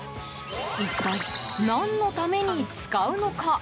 一体、何のために使うのか。